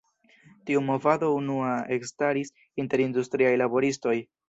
Tiu movado unua ekstaris inter industriaj laboristoj.